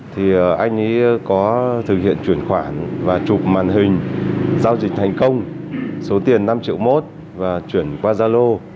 thì anh ấy có thực hiện chuyển khoản và chụp màn hình giao dịch thành công số tiền năm triệu mốt và chuyển qua gia lô